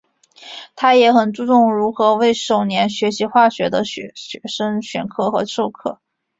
他也很注重如何为首年学习化学的学生选题和授课。